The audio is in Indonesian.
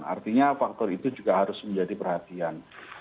artinya faktor itu juga harus menjadi perhatian